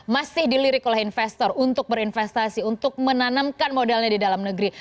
masih dilirik oleh investor untuk berinvestasi untuk menanamkan modalnya di dalam negeri